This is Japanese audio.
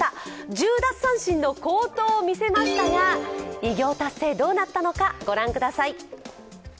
１０奪三振の好投を見せましたが偉業達成、どうなったのか御覧ください。